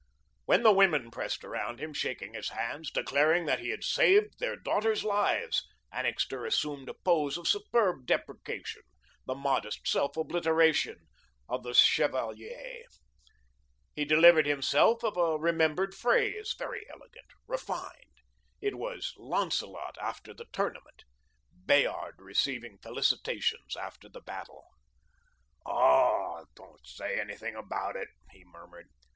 When the women pressed around him, shaking his hands, declaring that he had saved their daughters' lives, Annixter assumed a pose of superb deprecation, the modest self obliteration of the chevalier. He delivered himself of a remembered phrase, very elegant, refined. It was Lancelot after the tournament, Bayard receiving felicitations after the battle. "Oh, don't say anything about it," he murmured.